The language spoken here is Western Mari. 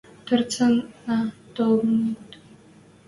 Торцынна толыныт.